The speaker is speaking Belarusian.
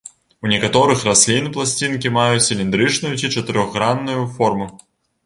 У некаторых раслін пласцінкі маюць цыліндрычную ці чатырохгранную форму.